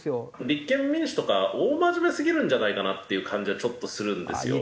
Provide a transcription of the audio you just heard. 立憲民主とか大真面目すぎるんじゃないかなっていう感じはちょっとするんですよ。